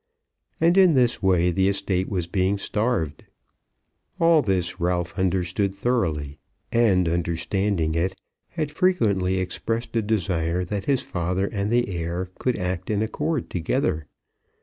And, in this way, the estate was being starved. All this Ralph understood thoroughly; and, understanding it, had frequently expressed a desire that his father and the heir could act in accord together.